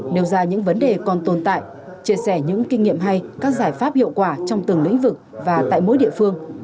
nêu ra những vấn đề còn tồn tại chia sẻ những kinh nghiệm hay các giải pháp hiệu quả trong từng lĩnh vực và tại mỗi địa phương